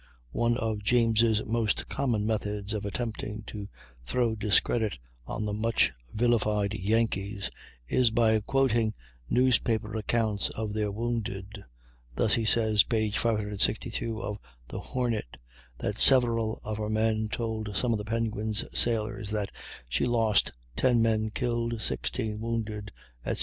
One of James' most common methods of attempting to throw discredit on the much vilified "Yankees" is by quoting newspaper accounts of their wounded. Thus he says (p. 562) of the Hornet, that several of her men told some of the Penguin's sailors that she lost 10 men killed, 16 wounded, etc.